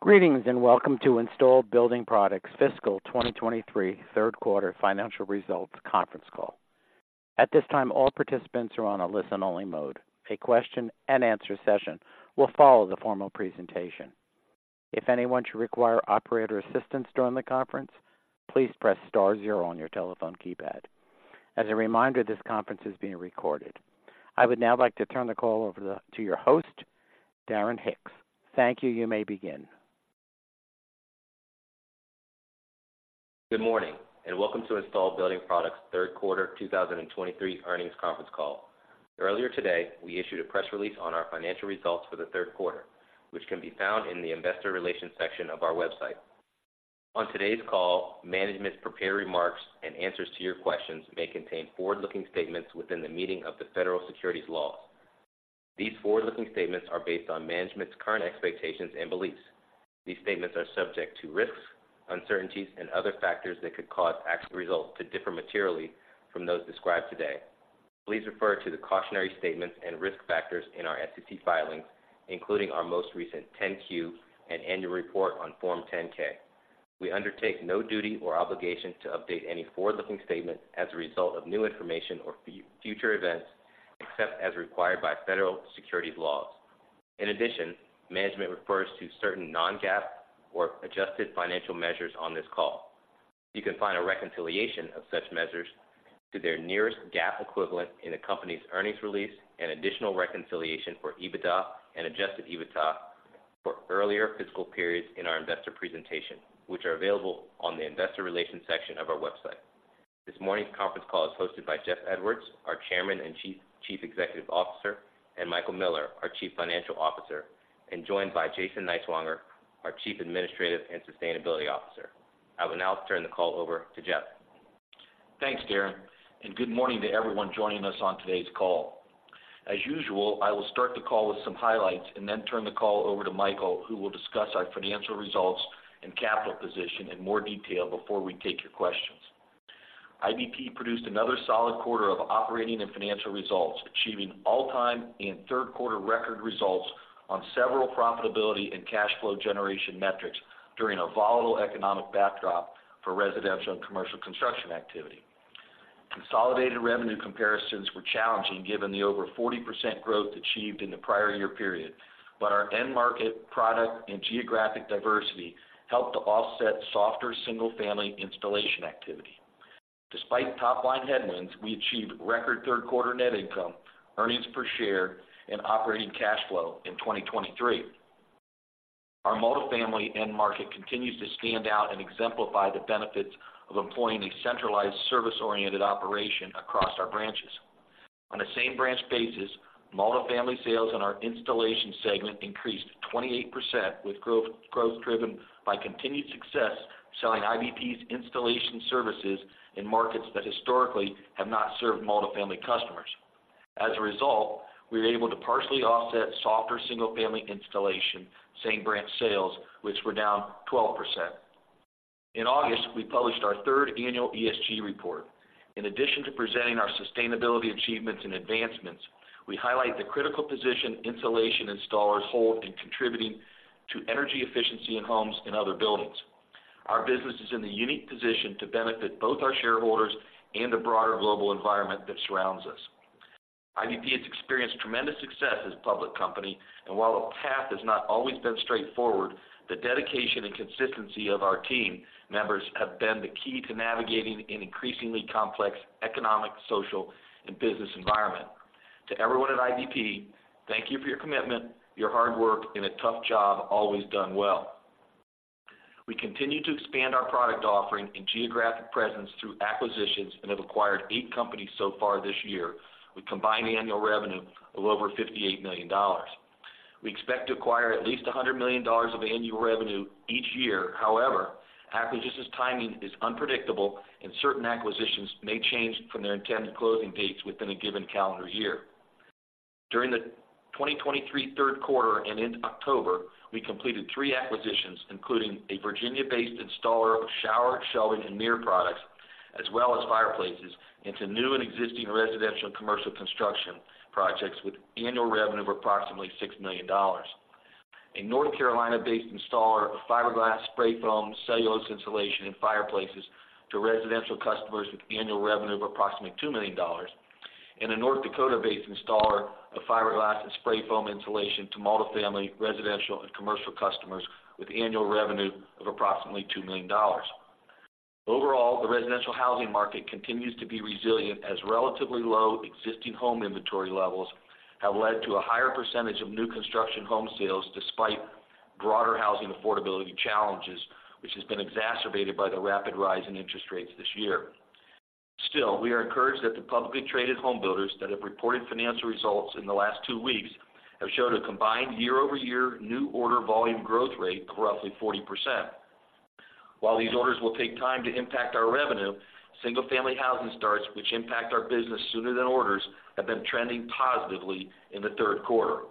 Greetings, and welcome to Installed Building Products Fiscal 2023 Third Quarter Financial Results Conference Call. At this time, all participants are on a listen-only mode. A question-and-answer session will follow the formal presentation. If anyone should require operator assistance during the conference, please press star zero on your telephone keypad. As a reminder, this conference is being recorded. I would now like to turn the call over to your host, Darren Hicks. Thank you. You may begin. Good morning, and welcome to Installed Building Products' third quarter 2023 earnings conference call. Earlier today, we issued a press release on our financial results for the third quarter, which can be found in the Investor Relations section of our website. On today's call, management's prepared remarks and answers to your questions may contain forward-looking statements within the meaning of the federal securities laws. These forward-looking statements are based on management's current expectations and beliefs. These statements are subject to risks, uncertainties, and other factors that could cause actual results to differ materially from those described today. Please refer to the cautionary statements and risk factors in our SEC filings, including our most recent 10-Q and annual report on Form 10-K. We undertake no duty or obligation to update any forward-looking statements as a result of new information or future events, except as required by federal securities laws. In addition, management refers to certain non-GAAP or adjusted financial measures on this call. You can find a reconciliation of such measures to their nearest GAAP equivalent in the company's earnings release and additional reconciliation for EBITDA and adjusted EBITDA for earlier fiscal periods in our investor presentation, which are available on the Investor Relations section of our website. This morning's conference call is hosted by Jeff Edwards, our Chairman and Chief Executive Officer, and Michael Miller, our Chief Financial Officer, and joined by Jason Niswonger, our Chief Administrative and Sustainability Officer. I will now turn the call over to Jeff. Thanks, Darren, and good morning to everyone joining us on today's call. As usual, I will start the call with some highlights and then turn the call over to Michael, who will discuss our financial results and capital position in more detail before we take your questions. IBP produced another solid quarter of operating and financial results, achieving all-time and third quarter record results on several profitability and cash flow generation metrics during a volatile economic backdrop for residential and commercial construction activity. Consolidated revenue comparisons were challenging, given the over 40% growth achieved in the prior year period, but our end market, product, and geographic diversity helped to offset softer single-family installation activity. Despite top-line headwinds, we achieved record third quarter net income, earnings per share, and operating cash flow in 2023. Our multifamily end market continues to stand out and exemplify the benefits of employing a centralized, service-oriented operation across our branches. On a same-branch basis, multifamily sales in our installation segment increased 28%, with growth driven by continued success selling IBP's installation services in markets that historically have not served multifamily customers. As a result, we were able to partially offset softer single-family installation same-branch sales, which were down 12%. In August, we published our third annual ESG report. In addition to presenting our sustainability achievements and advancements, we highlight the critical position insulation installers hold in contributing to energy efficiency in homes and other buildings. Our business is in the unique position to benefit both our shareholders and the broader global environment that surrounds us. IBP has experienced tremendous success as a public company, and while the path has not always been straightforward, the dedication and consistency of our team members have been the key to navigating an increasingly complex economic, social, and business environment. To everyone at IBP, thank you for your commitment, your hard work in a tough job, always done well. We continue to expand our product offering and geographic presence through acquisitions and have acquired eight companies so far this year, with combined annual revenue of over $58 million. We expect to acquire at least $100 million of annual revenue each year. However, acquisitions timing is unpredictable, and certain acquisitions may change from their intended closing dates within a given calendar year. During the 2023 third quarter and in October, we completed 3 acquisitions, including a Virginia-based installer of shower, shelving, and mirror products, as well as fireplaces into new and existing residential and commercial construction projects with annual revenue of approximately $6 million. A North Carolina-based installer of fiberglass, spray foam, cellulose insulation, and fireplaces to residential customers with annual revenue of approximately $2 million, and a North Dakota-based installer of fiberglass and spray foam insulation to multifamily, residential, and commercial customers with annual revenue of approximately $2 million. Overall, the residential housing market continues to be resilient, as relatively low existing home inventory levels have led to a higher percentage of new construction home sales, despite broader housing affordability challenges, which has been exacerbated by the rapid rise in interest rates this year. Still, we are encouraged that the publicly traded home builders that have reported financial results in the last 2 weeks have showed a combined year-over-year new order volume growth rate of roughly 40%. While these orders will take time to impact our revenue, single-family housing starts, which impact our business sooner than orders, have been trending positively in the third quarter.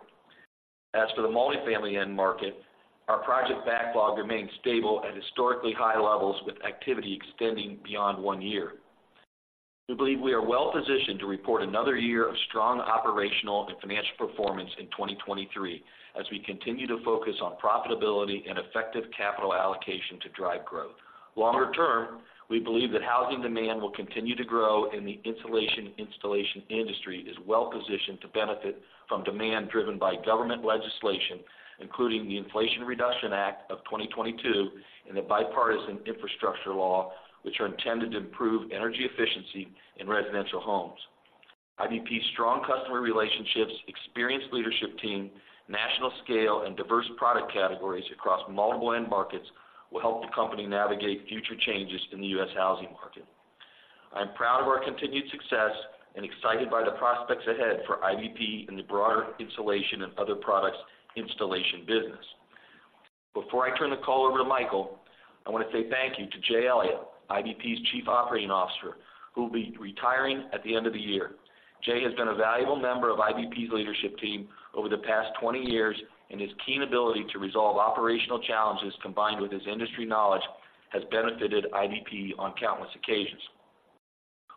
As for the multifamily end market, our project backlog remains stable at historically high levels, with activity extending beyond 1 year.... We believe we are well-positioned to report another year of strong operational and financial performance in 2023, as we continue to focus on profitability and effective capital allocation to drive growth. Longer term, we believe that housing demand will continue to grow, and the insulation installation industry is well positioned to benefit from demand driven by government legislation, including the Inflation Reduction Act of 2022 and the Bipartisan Infrastructure Law, which are intended to improve energy efficiency in residential homes. IBP's strong customer relationships, experienced leadership team, national scale, and diverse product categories across multiple end markets will help the company navigate future changes in the U.S. housing market. I'm proud of our continued success and excited by the prospects ahead for IBP in the broader insulation and other products installation business. Before I turn the call over to Michael, I want to say thank you to Jay Elliott, IBP's Chief Operating Officer, who will be retiring at the end of the year. Jay has been a valuable member of IBP's leadership team over the past 20 years, and his keen ability to resolve operational challenges, combined with his industry knowledge, has benefited IBP on countless occasions.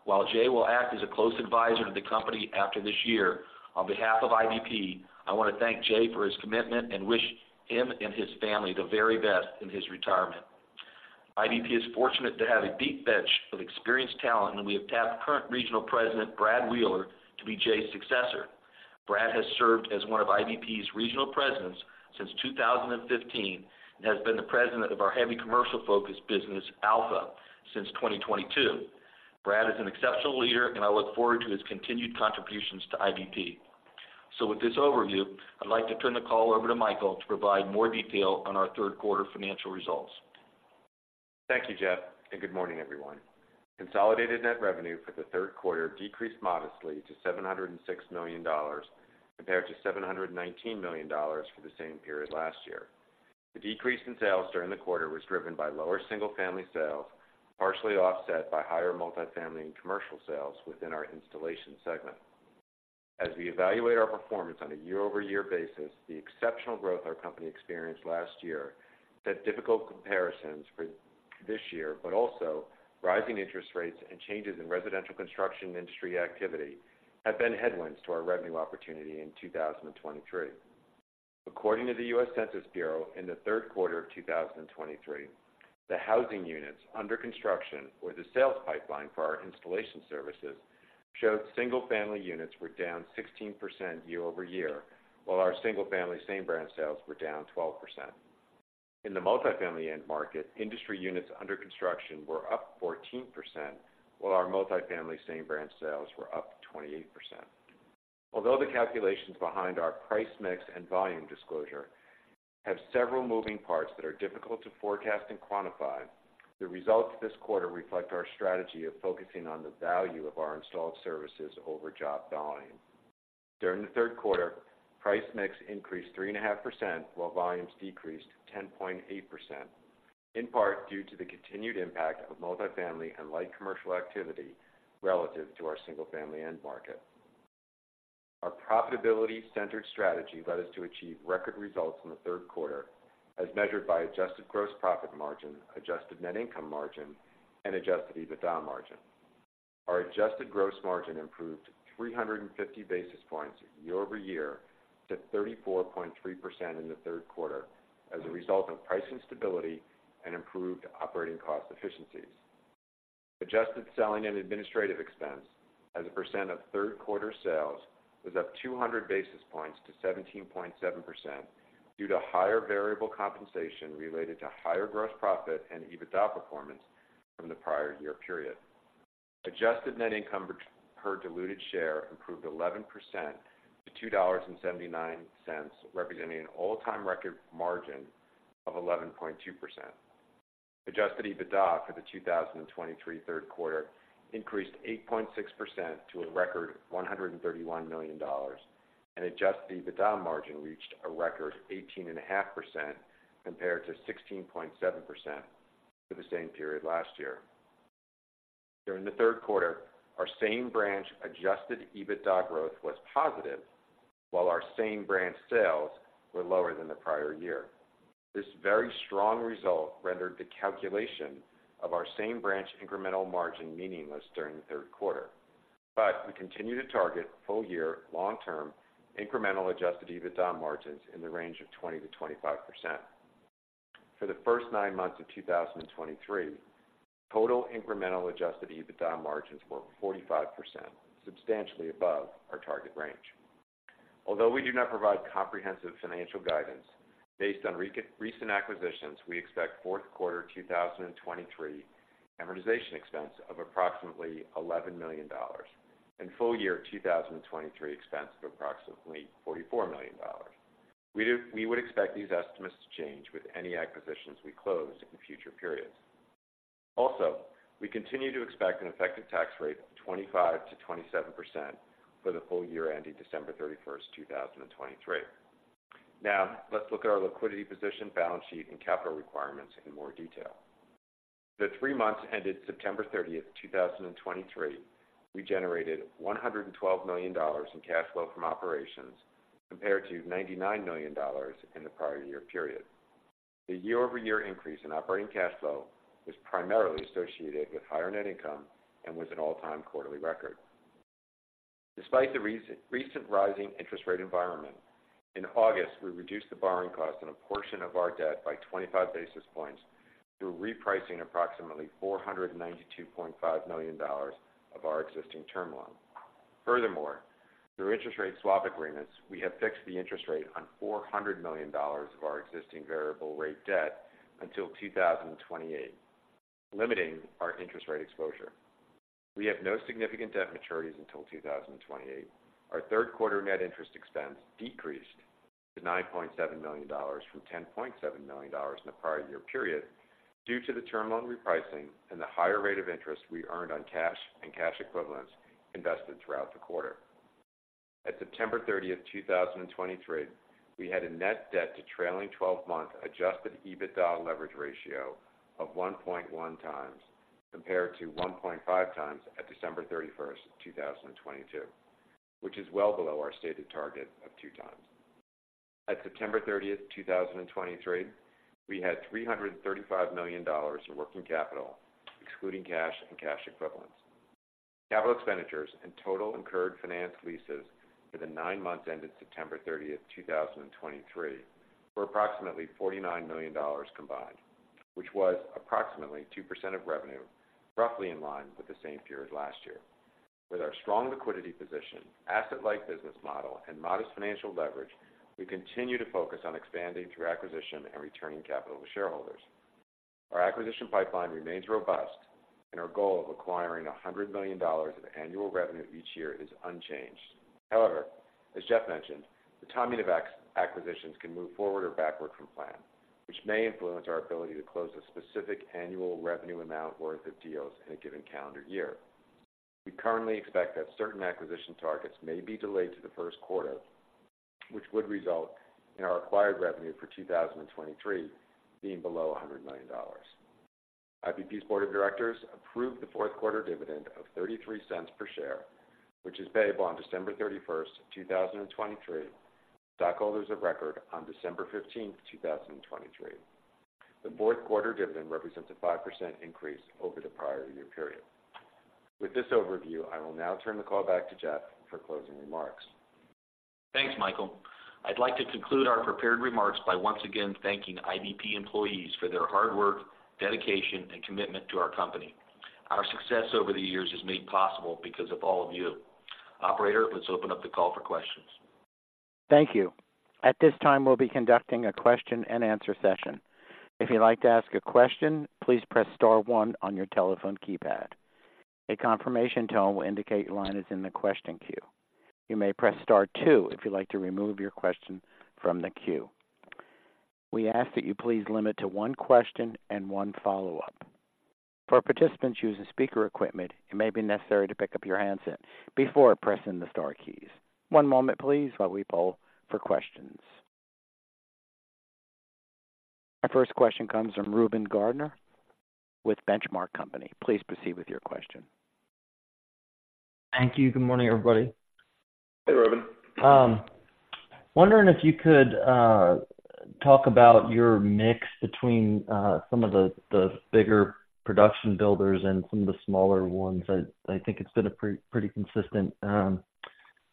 While Jay will act as a close advisor to the company after this year, on behalf of IBP, I want to thank Jay for his commitment and wish him and his family the very best in his retirement. IBP is fortunate to have a deep bench of experienced talent, and we have tapped current Regional President, Brad Wheeler, to be Jay's successor. Brad has served as one of IBP's regional presidents since 2015 and has been the president of our heavy commercial-focused business, Alpha, since 2022. Brad is an exceptional leader, and I look forward to his continued contributions to IBP. With this overview, I'd like to turn the call over to Michael to provide more detail on our third quarter financial results. Thank you, Jeff, and good morning, everyone. Consolidated net revenue for the third quarter decreased modestly to $706 million, compared to $719 million for the same period last year. The decrease in sales during the quarter was driven by lower single-family sales, partially offset by higher multifamily and commercial sales within our installation segment. As we evaluate our performance on a year-over-year basis, the exceptional growth our company experienced last year set difficult comparisons for this year, but also rising interest rates and changes in residential construction industry activity have been headwinds to our revenue opportunity in 2023. According to the U.S. Census Bureau, in the third quarter of 2023, the housing units under construction or the sales pipeline for our installation services showed single-family units were down 16% year-over-year, while our single-family same-branch sales were down 12%. In the multifamily end market, industry units under construction were up 14%, while our multifamily same-branch sales were up 28%. Although the calculations behind our price mix and volume disclosure have several moving parts that are difficult to forecast and quantify, the results this quarter reflect our strategy of focusing on the value of our installed services over job volume. During the third quarter, price mix increased 3.5%, while volumes decreased 10.8%, in part due to the continued impact of multifamily and light commercial activity relative to our single-family end market. Our profitability-centered strategy led us to achieve record results in the third quarter, as measured by adjusted gross profit margin, adjusted net income margin, and adjusted EBITDA margin. Our adjusted gross margin improved 350 basis points year-over-year to 34.3% in the third quarter as a result of pricing stability and improved operating cost efficiencies. Adjusted selling and administrative expense as a percent of third quarter sales was up 200 basis points to 17.7% due to higher variable compensation related to higher gross profit and EBITDA performance from the prior year period. Adjusted net income per diluted share improved 11% to $2.79, representing an all-time record margin of 11.2%. Adjusted EBITDA for the 2023 third quarter increased 8.6% to a record $131 million, and adjusted EBITDA margin reached a record 18.5%, compared to 16.7% for the same period last year. During the third quarter, our same-branch adjusted EBITDA growth was positive, while our same-branch sales were lower than the prior year. This very strong result rendered the calculation of our same-branch incremental margin meaningless during the third quarter. But we continue to target full-year long-term incremental adjusted EBITDA margins in the range of 20%-25%. For the first 9 months of 2023, total incremental adjusted EBITDA margins were 45%, substantially above our target range. Although we do not provide comprehensive financial guidance, based on recent acquisitions, we expect fourth quarter 2023 amortization expense of approximately $11 million and full year 2023 expense of approximately $44 million. We would expect these estimates to change with any acquisitions we close in future periods. Also, we continue to expect an effective tax rate of 25%-27% for the full year ending December 31, 2023. Now, let's look at our liquidity position, balance sheet, and capital requirements in more detail. For the three months ended September 30, 2023, we generated $112 million in cash flow from operations, compared to $99 million in the prior year period. The year-over-year increase in operating cash flow was primarily associated with higher net income and was an all-time quarterly record. Despite the recent rising interest rate environment, in August, we reduced the borrowing cost on a portion of our debt by 25 basis points through repricing approximately $492.5 million of our existing term loan. Furthermore, through interest rate swap agreements, we have fixed the interest rate on $400 million of our existing variable rate debt until 2028, limiting our interest rate exposure. We have no significant debt maturities until 2028. Our third quarter net interest expense decreased to $9.7 million from $10.7 million in the prior year period, due to the term loan repricing and the higher rate of interest we earned on cash and cash equivalents invested throughout the quarter. At September 30, 2023, we had a net debt to trailing twelve-month adjusted EBITDA leverage ratio of 1.1 times, compared to 1.5 times at December 31, 2022, which is well below our stated target of 2 times. At September 30, 2023, we had $335 million in working capital, excluding cash and cash equivalents. Capital expenditures and total incurred finance leases for the nine months ended September 30, 2023, were approximately $49 million combined, which was approximately 2% of revenue, roughly in line with the same period last year. With our strong liquidity position, asset-light business model, and modest financial leverage, we continue to focus on expanding through acquisition and returning capital to shareholders. Our acquisition pipeline remains robust, and our goal of acquiring $100 million of annual revenue each year is unchanged. However, as Jeff mentioned, the timing of acquisitions can move forward or backward from plan, which may influence our ability to close a specific annual revenue amount worth of deals in a given calendar year. We currently expect that certain acquisition targets may be delayed to the first quarter, which would result in our acquired revenue for 2023 being below $100 million. IBP's board of directors approved the fourth quarter dividend of $0.33 per share, which is payable on December 31, 2023, stockholders of record on December 15, 2023. The fourth quarter dividend represents a 5% increase over the prior year period. With this overview, I will now turn the call back to Jeff for closing remarks. Thanks, Michael. I'd like to conclude our prepared remarks by once again thanking IBP employees for their hard work, dedication, and commitment to our company. Our success over the years is made possible because of all of you. Operator, let's open up the call for questions. Thank you. At this time, we'll be conducting a question-and-answer session. If you'd like to ask a question, please press star one on your telephone keypad. A confirmation tone will indicate your line is in the question queue. You may press star two if you'd like to remove your question from the queue. We ask that you please limit to one question and one follow-up. For participants using speaker equipment, it may be necessary to pick up your handset before pressing the star keys. One moment, please, while we poll for questions. Our first question comes from Ruben Garner with Benchmark Company. Please proceed with your question. Thank you. Good morning, everybody. Hey, Ruben. Wondering if you could talk about your mix between some of the bigger production builders and some of the smaller ones. I think it's been a pretty consistent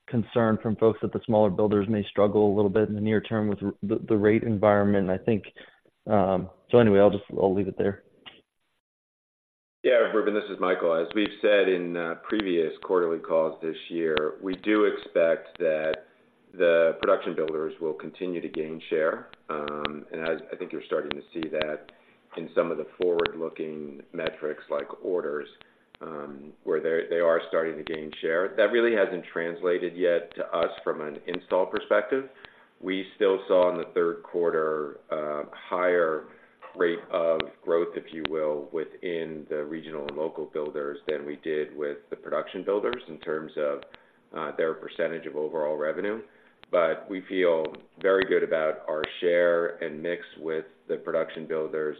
concern from folks that the smaller builders may struggle a little bit in the near term with the rate environment. So anyway, I'll leave it there. Yeah, Ruben, this is Michael. As we've said in previous quarterly calls this year, we do expect that the production builders will continue to gain share. And as I think you're starting to see that in some of the forward-looking metrics, like orders, where they are starting to gain share. That really hasn't translated yet to us from an install perspective. We still saw in the third quarter higher rate of growth, if you will, within the regional and local builders than we did with the production builders in terms of their percentage of overall revenue. But we feel very good about our share and mix with the production builders,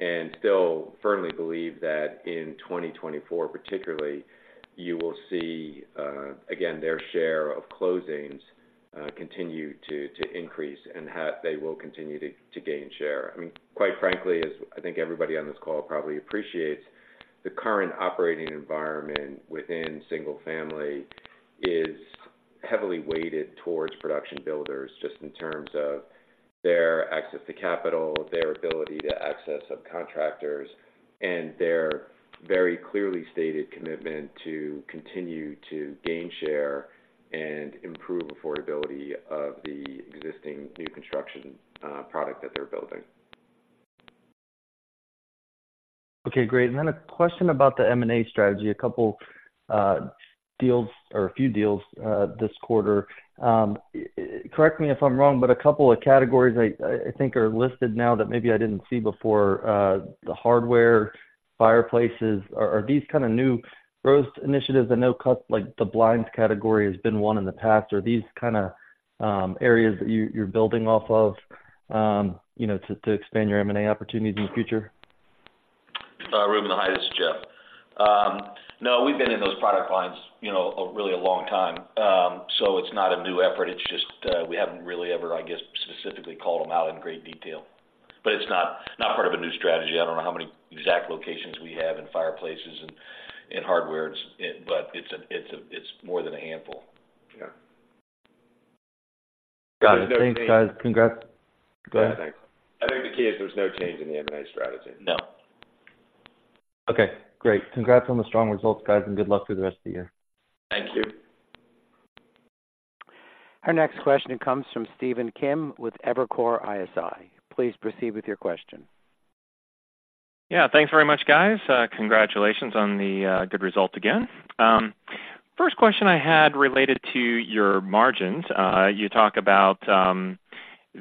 and still firmly believe that in 2024, particularly, you will see again their share of closings continue to increase, and they will continue to gain share. I mean, quite frankly, as I think everybody on this call probably appreciates, the current operating environment within single family is heavily weighted towards production builders, just in terms of their access to capital, their ability to access subcontractors, and their very clearly stated commitment to continue to gain share and improve affordability of the existing new construction, product that they're building. Okay, great. And then a question about the M&A strategy. A couple deals or a few deals this quarter. Correct me if I'm wrong, but a couple of categories I think are listed now that maybe I didn't see before, the hardware, fireplaces. Are these kind of new growth initiatives? I know, like, the blinds category has been one in the past. Are these kind of areas that you're building off of, you know, to expand your M&A opportunities in the future?... Ruben, hi, this is Jeff. No, we've been in those product lines, you know, really a long time. So it's not a new effort. It's just, we haven't really ever, I guess, specifically called them out in great detail. But it's not, not part of a new strategy. I don't know how many exact locations we have in fireplaces and hardware, but it's more than a handful. Yeah. Got it. Thanks, guys. Congrats. Go ahead. Yeah, thanks. I think the key is there's no change in the M&A strategy. No. Okay, great. Congrats on the strong results, guys, and good luck with the rest of the year. Thank you. Our next question comes from Stephen Kim with Evercore ISI. Please proceed with your question. Yeah, thanks very much, guys. Congratulations on the good result again. First question I had related to your margins. You talk about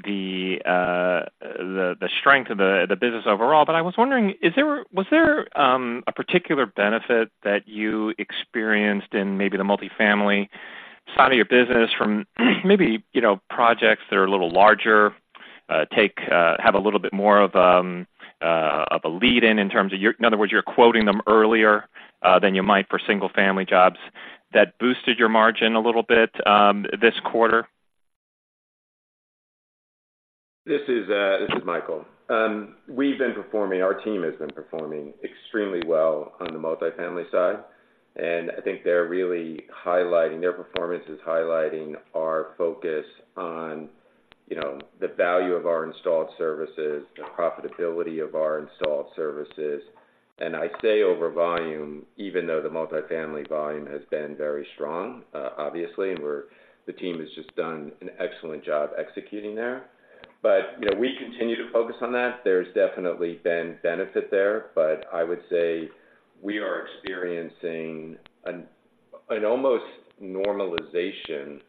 the strength of the business overall, but I was wondering, is there, was there a particular benefit that you experienced in maybe the multifamily side of your business from, maybe, you know, projects that are a little larger, have a little bit more of a lead-in, in terms of your... In other words, you're quoting them earlier than you might for single-family jobs that boosted your margin a little bit this quarter? This is Michael. We've been performing. Our team has been performing extremely well on the multifamily side, and I think they're really highlighting. Their performance is highlighting our focus on, you know, the value of our installed services, the profitability of our installed services. And I say over volume, even though the multifamily volume has been very strong, obviously, and we're. The team has just done an excellent job executing there. But, you know, we continue to focus on that. There's definitely been benefit there, but I would say we are experiencing an almost normalization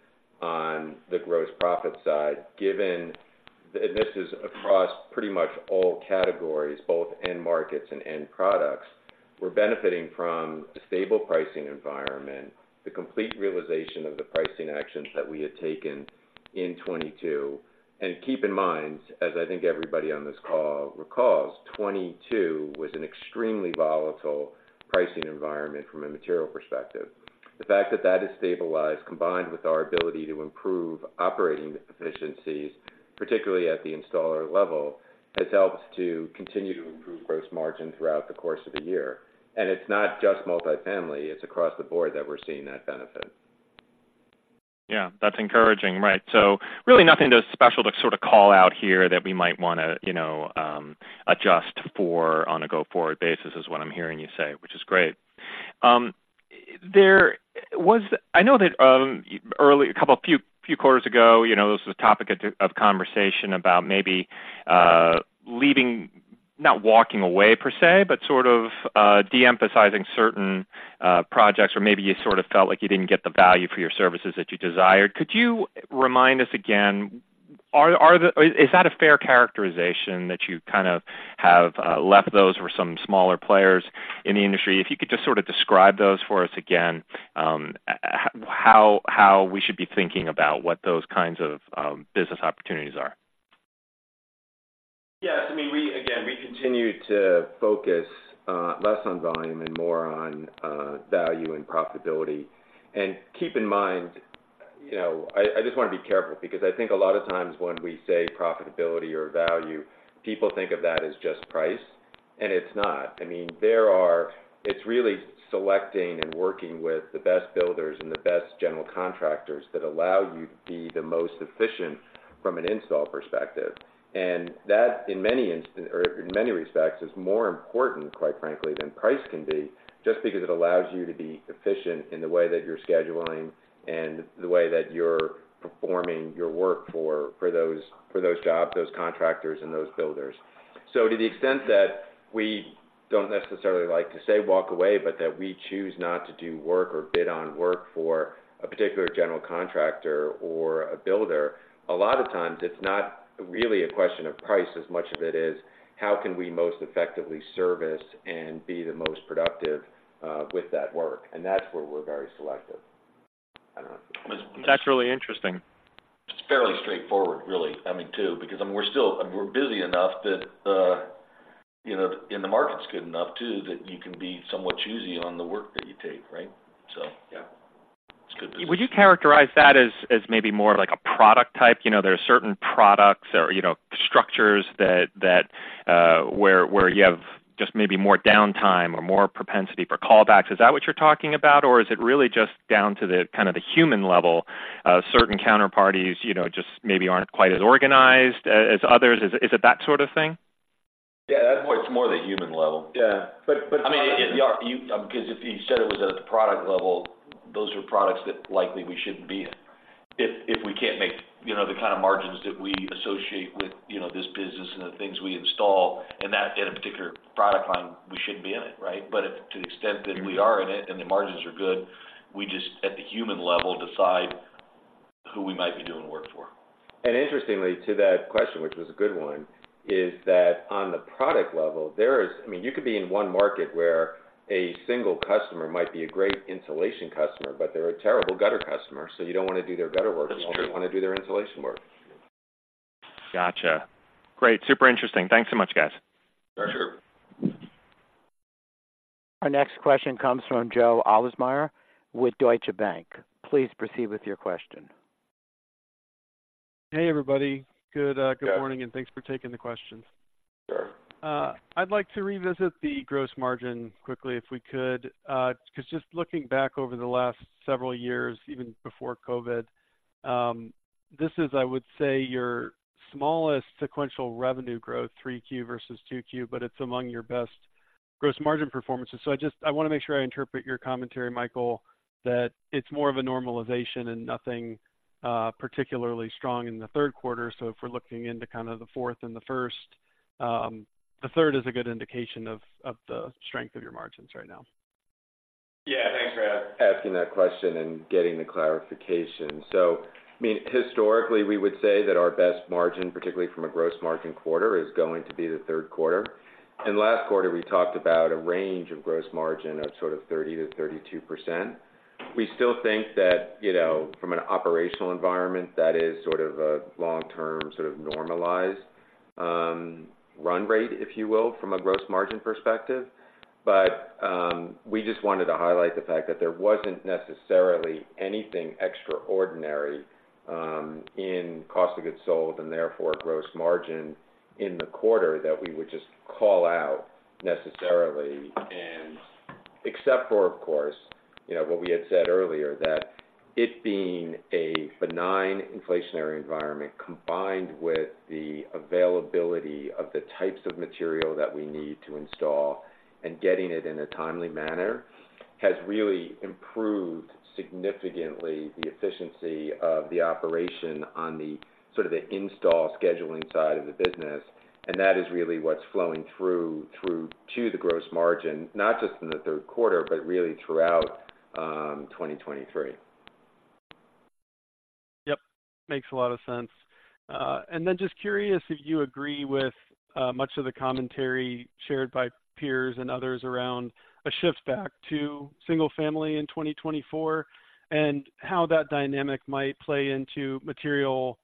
on the gross profit side, given and this is across pretty much all categories, both end markets and end products. We're benefiting from a stable pricing environment, the complete realization of the pricing actions that we had taken in 2022. Keep in mind, as I think everybody on this call recalls, 2022 was an extremely volatile pricing environment from a material perspective. The fact that that has stabilized, combined with our ability to improve operating efficiencies, particularly at the installer level, has helped to continue to improve gross margin throughout the course of the year. It's not just multifamily, it's across the board that we're seeing that benefit. Yeah, that's encouraging. Right. So really nothing too special to sort of call out here that we might wanna, you know, adjust for on a go-forward basis, is what I'm hearing you say, which is great. There was—I know that early, a couple few quarters ago, you know, this was a topic of conversation about maybe leaving, not walking away per se, but sort of de-emphasizing certain projects, or maybe you sort of felt like you didn't get the value for your services that you desired. Could you remind us again, is that a fair characterization that you kind of have left those for some smaller players in the industry? If you could just sort of describe those for us again, how we should be thinking about what those kinds of business opportunities are? Yes, I mean, we again continue to focus less on volume and more on value and profitability. And keep in mind, you know, I just wanna be careful because I think a lot of times when we say profitability or value, people think of that as just price, and it's not. I mean, it's really selecting and working with the best builders and the best general contractors that allow you to be the most efficient from an install perspective. And that, in many respects, is more important, quite frankly, than price can be, just because it allows you to be efficient in the way that you're scheduling and the way that you're performing your work for those jobs, those contractors, and those builders. So to the extent that we don't necessarily like to say walk away, but that we choose not to do work or bid on work for a particular general contractor or a builder, a lot of times it's not really a question of price, as much of it is, how can we most effectively service and be the most productive with that work? And that's where we're very selective. I don't know. That's really interesting. It's fairly straightforward, really. I mean, too, because, I mean, we're still, and we're busy enough that, you know, and the market's good enough too, that you can be somewhat choosy on the work that you take, right? So yeah, it's good business. Would you characterize that as maybe more of like a product type? You know, there are certain products or, you know, structures that where you have just maybe more downtime or more propensity for callbacks. Is that what you're talking about? Or is it really just down to the, kind of, the human level of certain counterparties, you know, just maybe aren't quite as organized as others? Is it that sort of thing? Yeah, at that point, it's more the human level. Yeah. But, I mean, if-... you, because if you said it was at the product level, those are products that likely we shouldn't be in. If we can't make, you know, the kind of margins that we associate with, you know, this business and the things we install and that, in a particular product line, we shouldn't be in it, right? But if to the extent that we are in it and the margins are good, we just, at the human level, decide who we might be doing work for. Interestingly, to that question, which was a good one, is that on the product level, there is, I mean, you could be in one market where a single customer might be a great insulation customer, but they're a terrible gutter customer, so you don't want to do their gutter work- That's true... but you only want to do their insulation work.... Gotcha. Great. Super interesting. Thanks so much, guys. Sure, sure. Our next question comes from Joe Ahlersmeyer with Deutsche Bank. Please proceed with your question. Hey, everybody. Good, good morning, and thanks for taking the questions. Sure. I'd like to revisit the gross margin quickly, if we could. 'Cause just looking back over the last several years, even before COVID, this is, I would say, your smallest sequential revenue growth, three Q versus two Q, but it's among your best gross margin performances. So I just I wanna make sure I interpret your commentary, Michael, that it's more of a normalization and nothing particularly strong in the third quarter. So if we're looking into kind of the fourth and the first, the third is a good indication of the strength of your margins right now. Yeah, thanks for asking that question and getting the clarification. So, I mean, historically, we would say that our best margin, particularly from a gross margin quarter, is going to be the third quarter. And last quarter, we talked about a range of gross margin of sort of 30%-32%. We still think that, you know, from an operational environment, that is sort of a long-term, sort of normalized, run rate, if you will, from a gross margin perspective. But, we just wanted to highlight the fact that there wasn't necessarily anything extraordinary, in cost of goods sold and therefore, gross margin in the quarter that we would just call out necessarily. Except for, of course, you know, what we had said earlier, that it being a benign inflationary environment, combined with the availability of the types of material that we need to install and getting it in a timely manner, has really improved significantly the efficiency of the operation on the sort of the install scheduling side of the business, and that is really what's flowing through to the gross margin, not just in the third quarter, but really throughout 2023. Yep. Makes a lot of sense. And then just curious if you agree with much of the commentary shared by peers and others around a shift back to single-family in 2024, and how that dynamic might play into material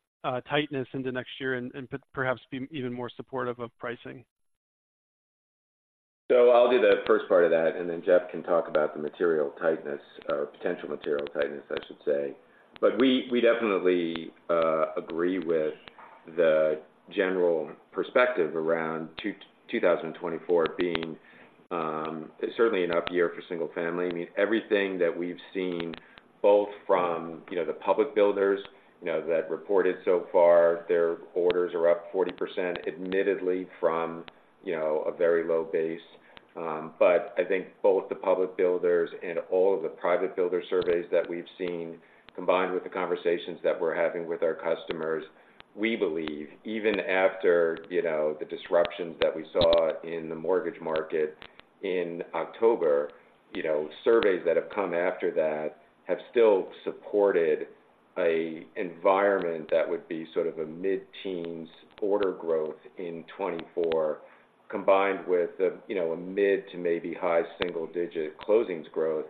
tightness into next year and perhaps be even more supportive of pricing. So I'll do the first part of that, and then Jeff can talk about the material tightness or potential material tightness, I should say. But we definitely agree with the general perspective around 2024 being certainly an up year for single family. I mean, everything that we've seen, both from the public builders that reported so far, their orders are up 40%, admittedly, from a very low base. But I think both the public builders and all of the private builder surveys that we've seen, combined with the conversations that we're having with our customers, we believe even after, you know, the disruptions that we saw in the mortgage market in October, you know, surveys that have come after that have still supported an environment that would be sort of a mid-teens order growth in 2024, combined with a, you know, a mid- to maybe high single-digit closings growth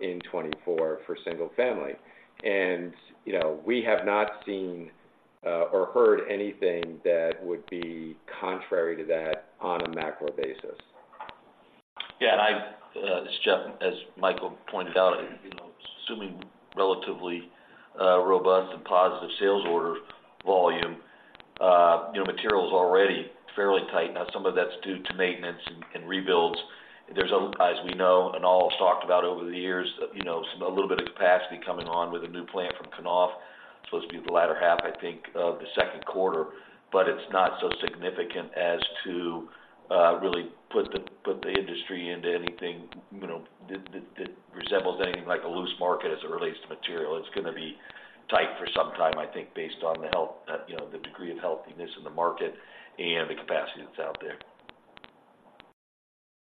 in 2024 for single family. You know, we have not seen or heard anything that would be contrary to that on a macro basis. Yeah, and I, this is Jeff, as Michael pointed out, you know, assuming relatively robust and positive sales order volume, you know, material is already fairly tight. Now, some of that's due to maintenance and, and rebuilds. There's also, as we know, and all has talked about over the years, you know, some a little bit of capacity coming on with a new plant from Knauf, supposed to be the latter half, I think, of the second quarter. But it's not so significant as to really put the, put the industry into anything, you know, that, that, that resembles anything like a loose market as it relates to material. It's gonna be tight for some time, I think, based on the health, you know, the degree of healthiness in the market and the capacity that's out there.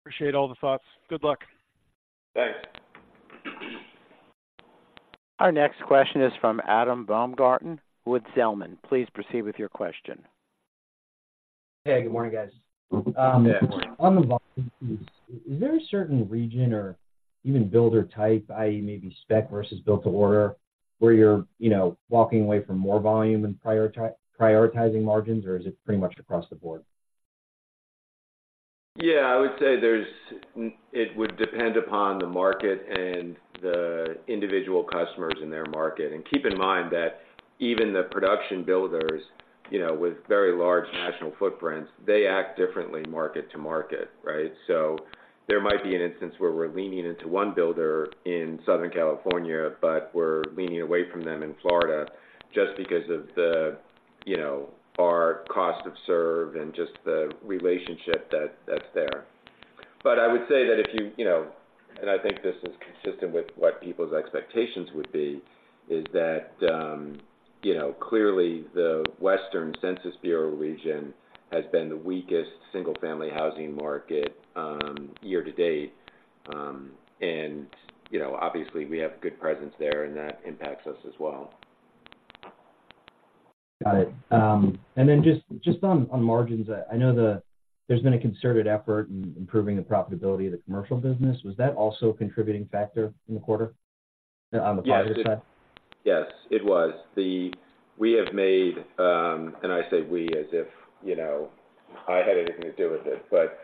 Appreciate all the thoughts. Good luck. Thanks. Our next question is from Adam Baumgarten with Zelman. Please proceed with your question. Hey, good morning, guys. Good morning. On the volume, is there a certain region or even builder type, i.e., maybe spec versus built to order, where you're, you know, walking away from more volume and prioritizing margins, or is it pretty much across the board? Yeah, I would say it would depend upon the market and the individual customers in their market. And keep in mind that even the production builders, you know, with very large national footprints, they act differently market to market, right? So there might be an instance where we're leaning into one builder in Southern California, but we're leaning away from them in Florida just because of the, you know, our cost of serve and just the relationship that, that's there. But I would say that if you... You know, and I think this is consistent with what people's expectations would be, is that, you know, clearly the Western Census Bureau region has been the weakest single-family housing market, year to date. And, you know, obviously, we have good presence there, and that impacts us as well. Got it. And then just, just on, on margins, I know there's been a concerted effort in improving the profitability of the commercial business. Was that also a contributing factor in the quarter? ...On the positive side? Yes, it was. We have made, and I say we as if, you know, I had anything to do with it, but,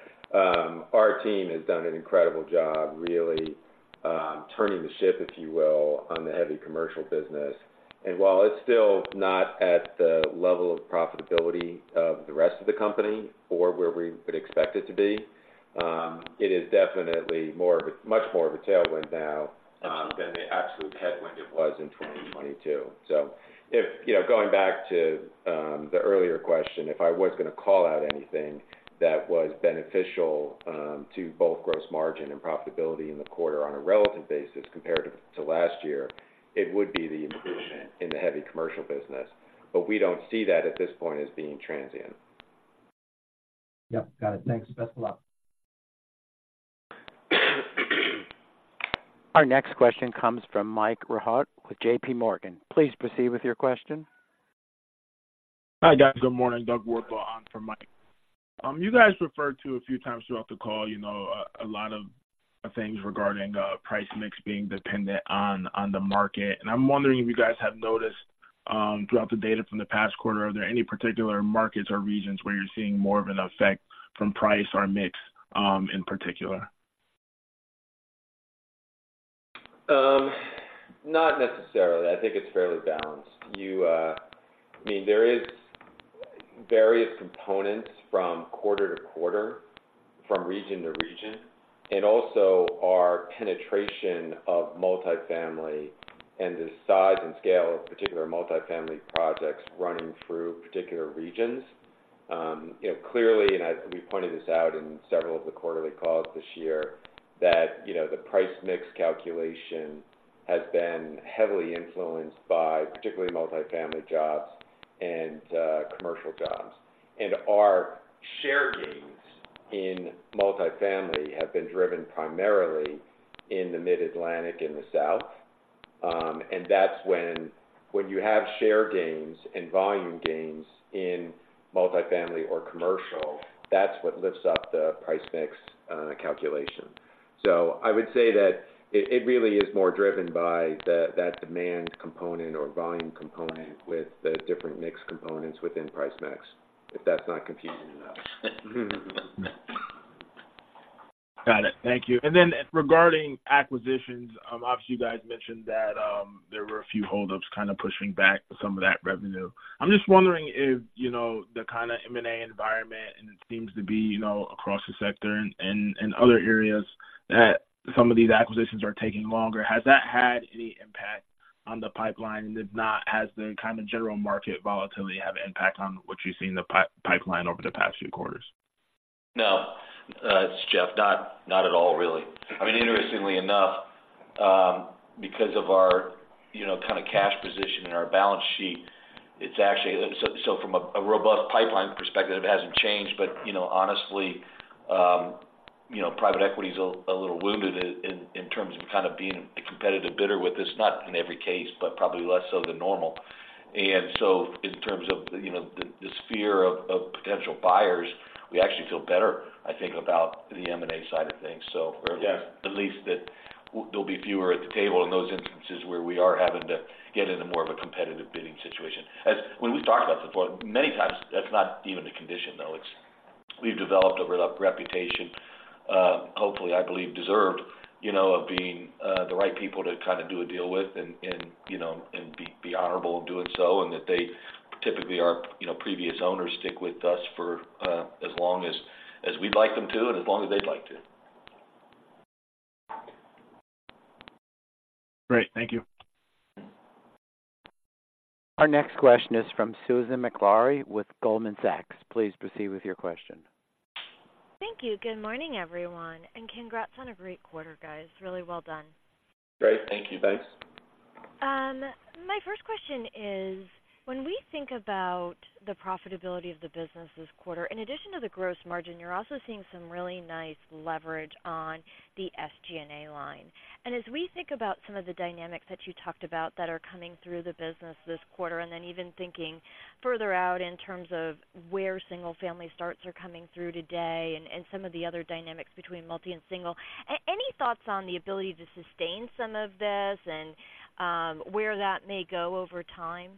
our team has done an incredible job, really, turning the ship, if you will, on the heavy commercial business. And while it's still not at the level of profitability of the rest of the company or where we would expect it to be, it is definitely more of a, much more of a tailwind now, than the absolute headwind it was in 2022. So if, you know, going back to, the earlier question, if I was going to call out anything that was beneficial, to both gross margin and profitability in the quarter on a relative basis compared to, to last year, it would be the improvement in the heavy commercial business. But we don't see that at this point as being transient. Yep. Got it. Thanks. Best of luck. Our next question comes from Mike Rehaut with JP Morgan. Please proceed with your question. Hi, guys. Good morning, Doug Rehaut on for Mike. You guys referred to a few times throughout the call, you know, a lot of things regarding price mix being dependent on the market. And I'm wondering if you guys have noticed throughout the data from the past quarter, are there any particular markets or regions where you're seeing more of an effect from price or mix in particular? Not necessarily. I think it's fairly balanced. You, I mean, there is various components from quarter to quarter, from region to region, and also our penetration of multifamily and the size and scale of particular multifamily projects running through particular regions. You know, clearly, we pointed this out in several of the quarterly calls this year, that, you know, the price mix calculation has been heavily influenced by particularly multifamily jobs and, commercial jobs. And our share gains in multifamily have been driven primarily in the Mid-Atlantic and the South. And that's when, when you have share gains and volume gains in multifamily or commercial, that's what lifts up the price mix, calculation. So I would say that it really is more driven by that demand component or volume component with the different mix components within price mix, if that's not confusing enough. Got it. Thank you. And then regarding acquisitions, obviously, you guys mentioned that there were a few hold-ups kind of pushing back some of that revenue. I'm just wondering if, you know, the kind of M&A environment, and it seems to be, you know, across the sector and other areas, that some of these acquisitions are taking longer. Has that had any impact on the pipeline? And if not, has the kind of general market volatility have impact on what you see in the pipeline over the past few quarters? No. It's Jeff. Not at all, really. I mean, interestingly enough, because of our, you know, kind of cash position in our balance sheet, it's actually so from a robust pipeline perspective, it hasn't changed. But, you know, honestly, you know, private equity is a little wounded in terms of kind of being a competitive bidder with this, not in every case, but probably less so than normal. And so in terms of, you know, the sphere of potential buyers, we actually feel better, I think, about the M&A side of things. So- Yeah. At least that there'll be fewer at the table in those instances where we are having to get into more of a competitive bidding situation. As when we've talked about this before, many times, that's not even the condition, though. It's we've developed a reputation, hopefully, I believe, deserved, you know, of being the right people to kind of do a deal with and, you know, and be honorable in doing so, and that they typically are, you know, previous owners stick with us for as long as we'd like them to, and as long as they'd like to. Great. Thank you. Our next question is from Susan Maklari with Goldman Sachs. Please proceed with your question. Thank you. Good morning, everyone, and congrats on a great quarter, guys. Really well done. Great. Thank you, guys. My first question is, when we think about the profitability of the business this quarter, in addition to the gross margin, you're also seeing some really nice leverage on the SG&A line. And as we think about some of the dynamics that you talked about that are coming through the business this quarter, and then even thinking further out in terms of where single-family starts are coming through today and some of the other dynamics between multi and single, any thoughts on the ability to sustain some of this and where that may go over time?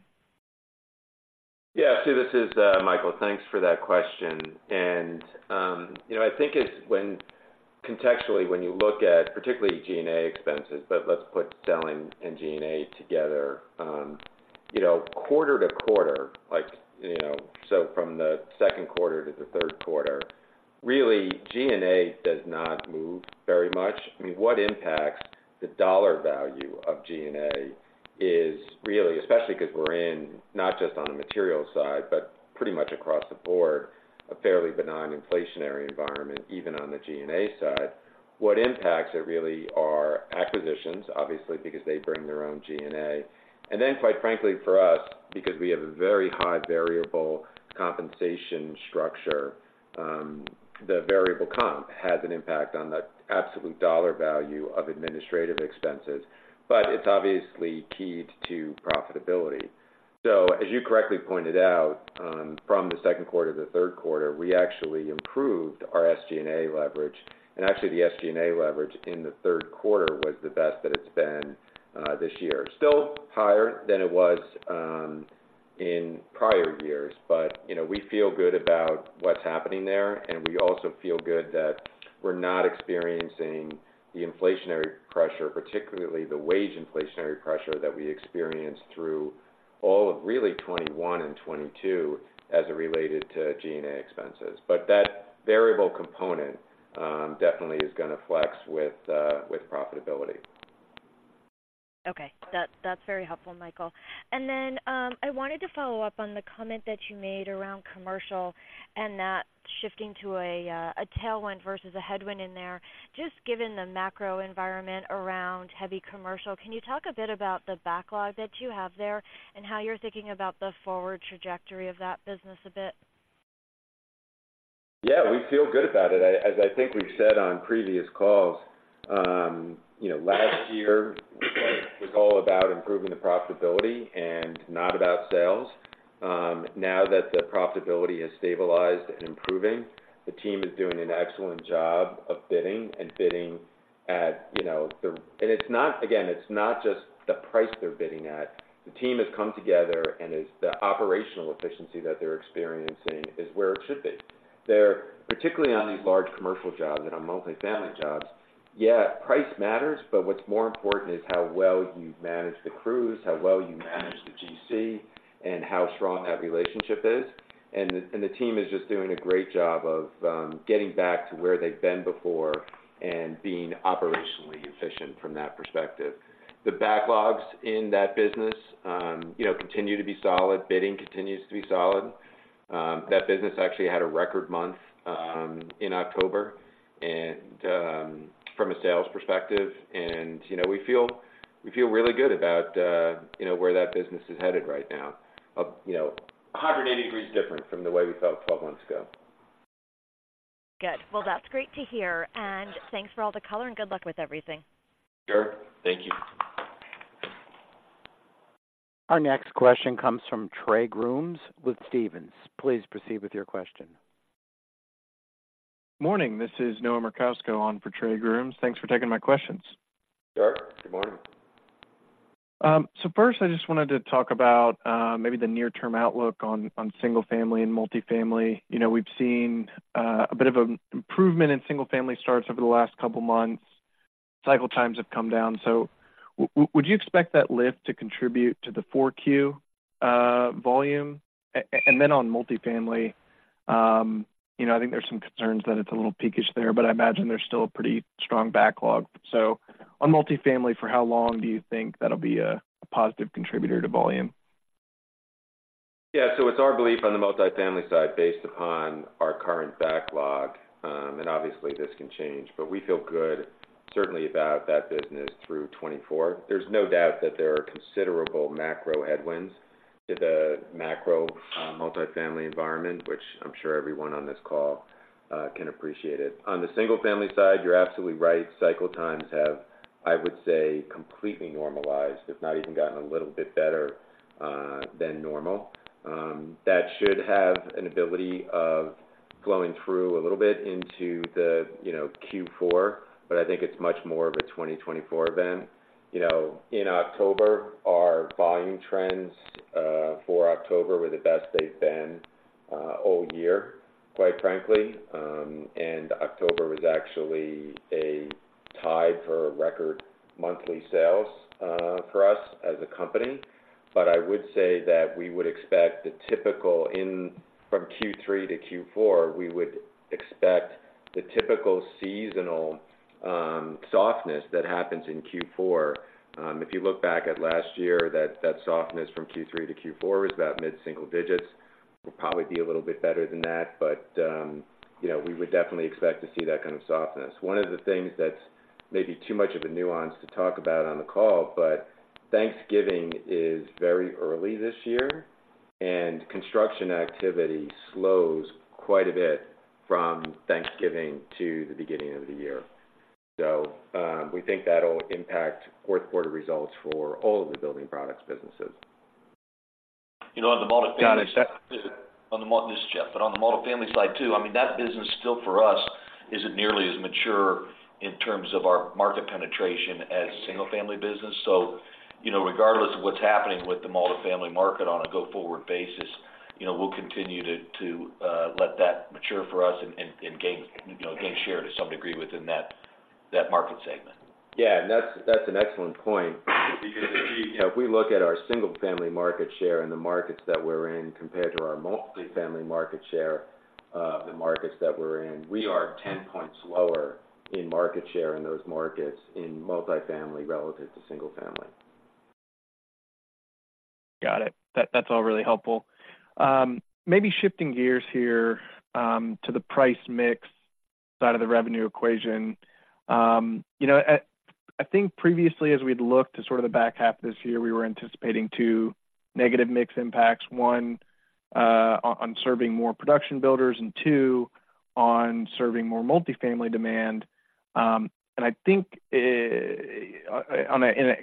Yeah. Sue, this is, Michael. Thanks for that question. And, you know, I think it's contextually, when you look at particularly G&A expenses, but let's put selling and G&A together, you know, quarter to quarter, like, you know, so from the second quarter to the third quarter, really, G&A does not move very much. I mean, what impacts the dollar value of G&A is really, especially because we're in, not just on the material side, but pretty much across the board, a fairly benign inflationary environment, even on the G&A side. What impacts it really are acquisitions, obviously, because they bring their own G&A. And then, quite frankly, for us, because we have a very high variable compensation structure, the variable comp has an impact on the absolute dollar value of administrative expenses, but it's obviously keyed to profitability. So as you correctly pointed out, from the second quarter to the third quarter, we actually improved our SG&A leverage. And actually, the SG&A leverage in the third quarter was the best that it's been this year. Still higher than it was in prior years, but, you know, we feel good about what's happening there, and we also feel good that we're not experiencing the inflationary pressure, particularly the wage inflationary pressure, that we experienced through all of really 2021 and 2022 as it related to G&A expenses. But that variable component definitely is gonna flex with with profitability. Okay. That's, that's very helpful, Michael. And then, I wanted to follow up on the comment that you made around commercial and that shifting to a, a tailwind versus a headwind in there. Just given the macro environment around heavy commercial, can you talk a bit about the backlog that you have there, and how you're thinking about the forward trajectory of that business a bit? Yeah, we feel good about it. As I think we've said on previous calls, you know, last year was all about improving the profitability and not about sales. Now that the profitability has stabilized and improving, the team is doing an excellent job of bidding and bidding at, you know, the. And it's not, again, it's not just the price they're bidding at. The team has come together, and it's the operational efficiency that they're experiencing is where it should be. They're, particularly on these large commercial jobs and on multifamily jobs, yeah, price matters, but what's more important is how well you manage the crews, how well you manage the GC, and how strong that relationship is. And the, and the team is just doing a great job of getting back to where they've been before and being operationally efficient from that perspective. The backlogs in that business, you know, continue to be solid, bidding continues to be solid. That business actually had a record month in October, and from a sales perspective, and, you know, we feel, we feel really good about, you know, where that business is headed right now. You know, 180 degrees different from the way we felt 12 months ago. Good. Well, that's great to hear, and thanks for all the color, and good luck with everything. Sure. Thank you. Our next question comes from Trey Grooms with Stephens. Please proceed with your question. Morning, this is Noah Merkousko on for Trey Grooms. Thanks for taking my questions. Sure. Good morning. So first, I just wanted to talk about maybe the near-term outlook on single-family and multifamily. You know, we've seen a bit of an improvement in single-family starts over the last couple of months. Cycle times have come down. So would you expect that lift to contribute to the 4Q volume? And then on multifamily, you know, I think there's some concerns that it's a little peakish there, but I imagine there's still a pretty strong backlog. So on multifamily, for how long do you think that'll be a positive contributor to volume? Yeah, so it's our belief on the multifamily side, based upon our current backlog, and obviously this can change, but we feel good certainly about that business through 2024. There's no doubt that there are considerable macro headwinds to the macro, multifamily environment, which I'm sure everyone on this call can appreciate it. On the single-family side, you're absolutely right. Cycle times have, I would say, completely normalized, if not even gotten a little bit better, than normal. That should have an ability of flowing through a little bit into the, you know, Q4, but I think it's much more of a 2024 event. You know, in October, our volume trends, for October were the best they've been, all year, quite frankly. And October was actually a tie for record monthly sales, for us as a company. But I would say that we would expect the typical from Q3 to Q4, we would expect the typical seasonal softness that happens in Q4. If you look back at last year, that softness from Q3 to Q4 is about mid-single digits. Will probably be a little bit better than that, but, you know, we would definitely expect to see that kind of softness. One of the things that's maybe too much of a nuance to talk about on the call, but Thanksgiving is very early this year, and construction activity slows quite a bit from Thanksgiving to the beginning of the year. So, we think that'll impact fourth quarter results for all of the building products businesses. You know, on the multifamily- Got it. This is Jeff, but on the multifamily side, too, I mean, that business still, for us, isn't nearly as mature in terms of our market penetration as single-family business. So, you know, regardless of what's happening with the multifamily market on a go-forward basis, you know, we'll continue to let that mature for us and gain, you know, gain share to some degree within that market segment. Yeah, and that's, that's an excellent point. Because if we, if we look at our single-family market share and the markets that we're in, compared to our multifamily market share, the markets that we're in, we are 10 points lower in market share in those markets in multifamily relative to single family. Got it. That's all really helpful. Maybe shifting gears here, to the price mix side of the revenue equation. You know, I think previously, as we'd looked to sort of the back half of this year, we were anticipating two negative mix impacts. One, on serving more production builders, and two, on serving more multifamily demand.... and I think, in an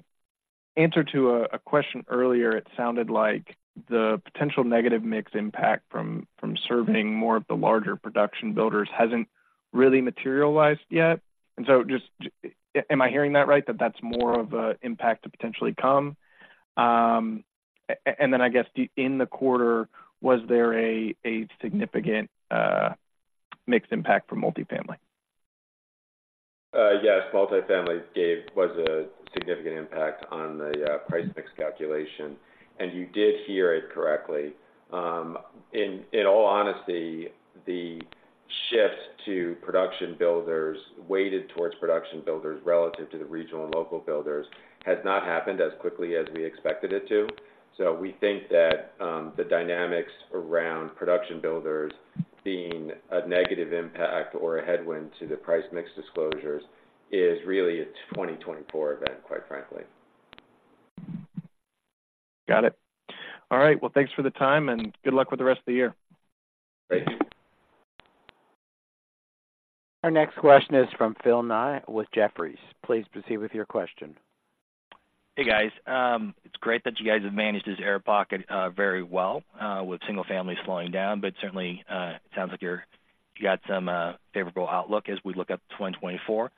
answer to a question earlier, it sounded like the potential negative mix impact from serving more of the larger production builders hasn't really materialized yet. And so, just, am I hearing that right, that that's more of an impact to potentially come? And then I guess, in the quarter, was there a significant mixed impact from multifamily? Yes, multifamily was a significant impact on the price mix calculation. And you did hear it correctly. In all honesty, the shift to production builders, weighted towards production builders relative to the regional and local builders, has not happened as quickly as we expected it to. So we think that the dynamics around production builders being a negative impact or a headwind to the price mix disclosures is really a 2024 event, quite frankly. Got it. All right, well, thanks for the time, and good luck with the rest of the year. Thank you. Our next question is from Phil Ng with Jefferies. Please proceed with your question. Hey, guys. It's great that you guys have managed this air pocket very well with single-family slowing down, but certainly it sounds like you're—you got some favorable outlook as we look up to 2024.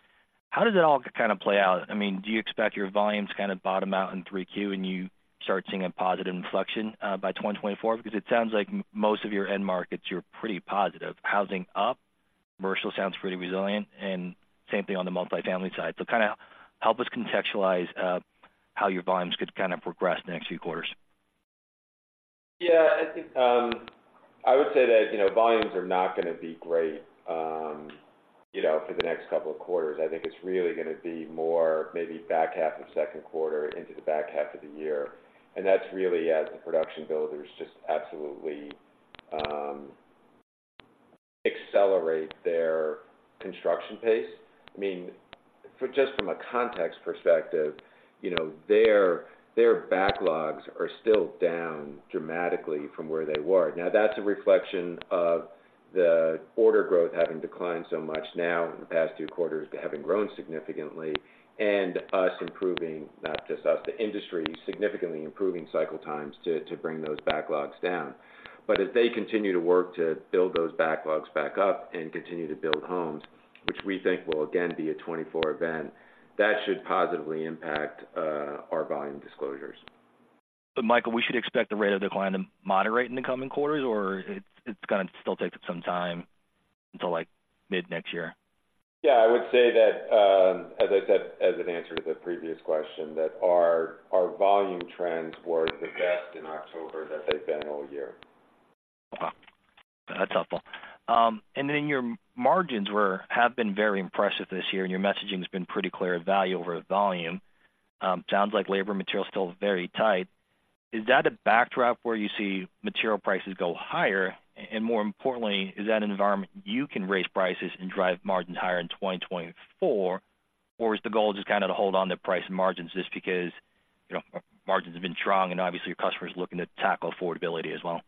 How does it all kind of play out? I mean, do you expect your volumes to kind of bottom out in 3Q, and you start seeing a positive inflection by 2024? Because it sounds like most of your end markets, you're pretty positive. Housing up, commercial sounds pretty resilient, and same thing on the multifamily side. So kind of help us contextualize how your volumes could kind of progress in the next few quarters. Yeah, I think, I would say that, you know, volumes are not going to be great, you know, for the next couple of quarters. I think it's really going to be more maybe back half of second quarter into the back half of the year, and that's really as the production builders just absolutely accelerate their construction pace. I mean, for just from a context perspective, you know, their, their backlogs are still down dramatically from where they were. Now, that's a reflection of the order growth having declined so much now in the past two quarters, having grown significantly, and us improving, not just us, the industry, significantly improving cycle times to, to bring those backlogs down. But as they continue to work to build those backlogs back up and continue to build homes, which we think will again be a 2024 event, that should positively impact our volume disclosures. Michael, we should expect the rate of decline to moderate in the coming quarters, or it's going to still take some time until, like, mid-next year? Yeah, I would say that, as I said, as an answer to the previous question, that our volume trends were the best in October than they've been all year. Wow! That's helpful. And then your margins have been very impressive this year, and your messaging has been pretty clear, value over volume. Sounds like labor and material is still very tight. Is that a backdrop where you see material prices go higher? And more importantly, is that an environment you can raise prices and drive margins higher in 2024? Or is the goal just kind of to hold on to price margins just because, you know, margins have been strong and obviously your customers are looking to tackle affordability as well?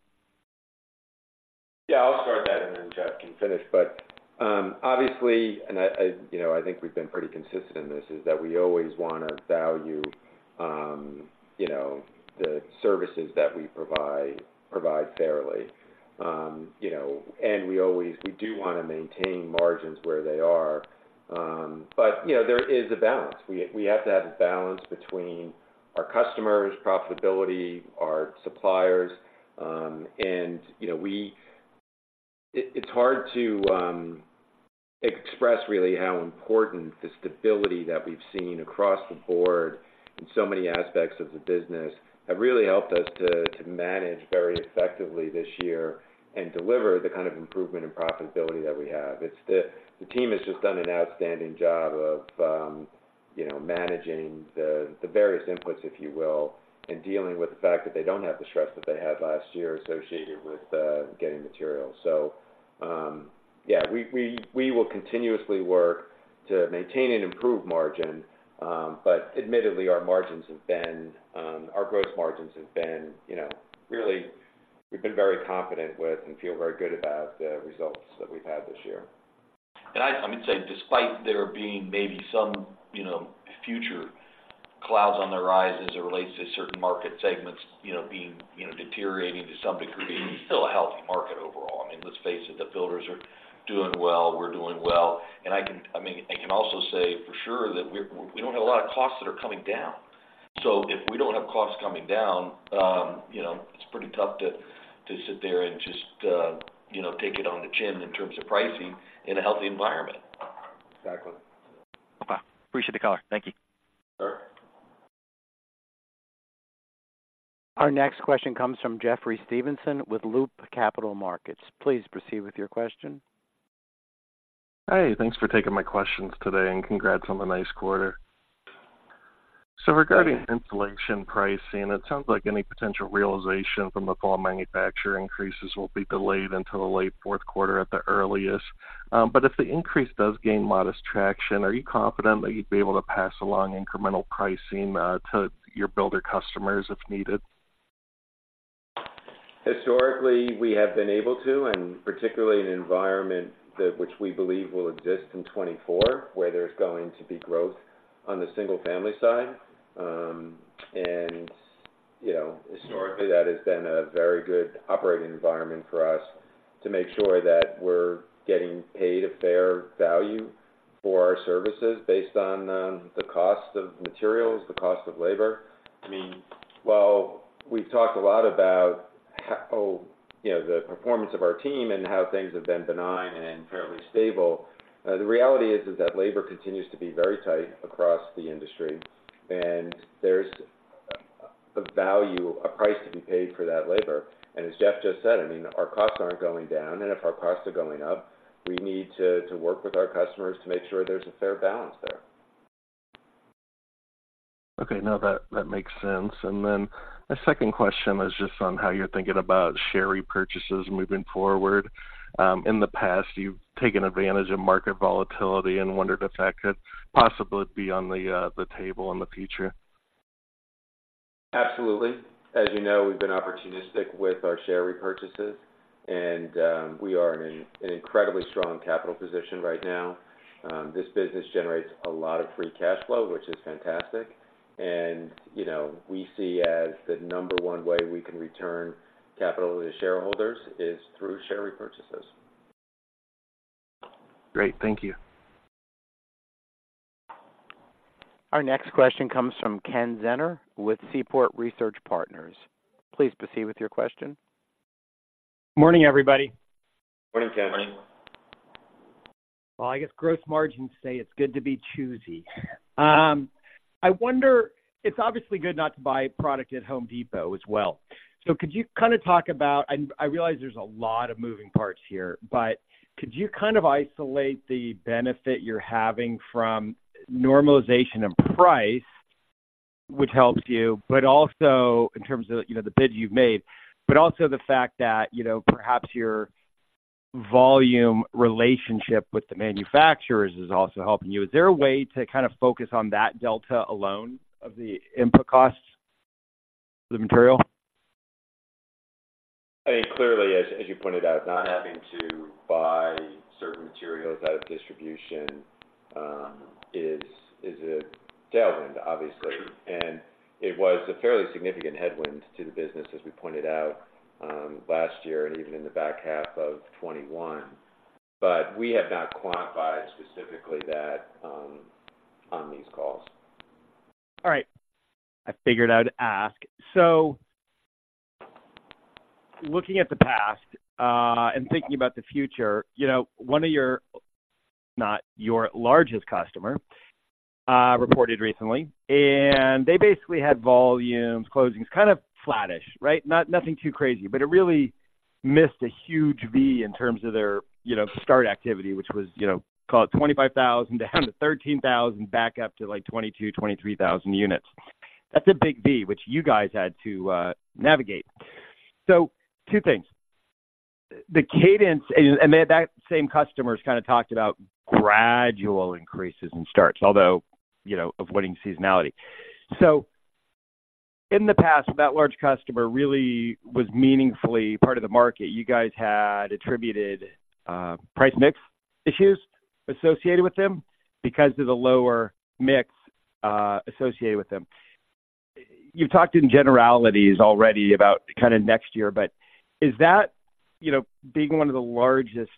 Yeah, I'll start that, and then Jeff can finish. But obviously, and I, you know, I think we've been pretty consistent in this, is that we always want to value, you know, the services that we provide fairly. You know, and we always—we do want to maintain margins where they are. But, you know, there is a balance. We have to have a balance between our customers, profitability, our suppliers, and, you know, we—it's hard to express really how important the stability that we've seen across the board in so many aspects of the business have really helped us to manage very effectively this year and deliver the kind of improvement in profitability that we have. The team has just done an outstanding job of, you know, managing the various inputs, if you will, and dealing with the fact that they don't have the stress that they had last year associated with getting materials. So, yeah, we will continuously work to maintain and improve margin, but admittedly, our margins have been. Our gross margins have been, you know, really, we've been very confident with and feel very good about the results that we've had this year. I would say despite there being maybe some, you know, future clouds on the rise as it relates to certain market segments, you know, being, you know, deteriorating to some degree, it's still a healthy market overall. I mean, let's face it, the builders are doing well, we're doing well. I can-- I mean, I can also say for sure that we don't have a lot of costs that are coming down. So if we don't have costs coming down, you know, it's pretty tough to sit there and just, you know, take it on the chin in terms of pricing in a healthy environment. Exactly. Okay. Appreciate the call. Thank you. Sure. Our next question comes from Jeffrey Stevenson with Loop Capital Markets. Please proceed with your question. Hi, thanks for taking my questions today, and congrats on a nice quarter. Regarding inflation pricing, it sounds like any potential realization from the fall manufacturer increases will be delayed until the late fourth quarter at the earliest. But if the increase does gain modest traction, are you confident that you'd be able to pass along incremental pricing to your builder customers if needed? ... historically, we have been able to, and particularly in an environment that which we believe will exist in 2024, where there's going to be growth on the single-family side. And, you know, historically, that has been a very good operating environment for us to make sure that we're getting paid a fair value for our services based on the cost of materials, the cost of labor. I mean, while we've talked a lot about how, you know, the performance of our team and how things have been benign and fairly stable, the reality is, is that labor continues to be very tight across the industry, and there's a value, a price to be paid for that labor. As Jeff just said, I mean, our costs aren't going down, and if our costs are going up, we need to work with our customers to make sure there's a fair balance there. Okay. No, that, that makes sense. And then my second question was just on how you're thinking about share repurchases moving forward. In the past, you've taken advantage of market volatility and wondered if that could possibly be on the, the table in the future? Absolutely. As you know, we've been opportunistic with our share repurchases, and, we are in an incredibly strong capital position right now. This business generates a lot of free cash flow, which is fantastic. And, you know, we see as the number one way we can return capital to shareholders is through share repurchases. Great. Thank you. Our next question comes from Ken Zener with Seaport Research Partners. Please proceed with your question. Morning, everybody. Morning, Ken. Morning. Well, I guess gross margins say it's good to be choosy. I wonder... It's obviously good not to buy product at Home Depot as well. So could you kind of talk about, and I realize there's a lot of moving parts here, but could you kind of isolate the benefit you're having from normalization of price, which helps you, but also in terms of, you know, the bid you've made, but also the fact that, you know, perhaps your volume relationship with the manufacturers is also helping you? Is there a way to kind of focus on that delta alone of the input costs of the material? I mean, clearly, as you pointed out, not having to buy certain materials out of distribution is a tailwind, obviously, and it was a fairly significant headwind to the business, as we pointed out, last year and even in the back half of 2021. But we have not quantified specifically that on these calls. All right. I figured I'd ask. So looking at the past and thinking about the future, you know, one of your, not your largest customer, reported recently, and they basically had volumes, closings, kind of flattish, right? Nothing too crazy, but it really missed a huge V in terms of their, you know, start activity, which was, you know, call it 25,000 down to 13,000, back up to, like, 22,000-23,000 units. That's a big V, which you guys had to navigate. So two things: the cadence and that same customer has kind of talked about gradual increases in starts, although, you know, avoiding seasonality. So in the past, that large customer really was meaningfully part of the market. You guys had attributed price mix issues associated with them because of the lower mix associated with them. You've talked in generalities already about kind of next year, but is that, you know, being one of the largest,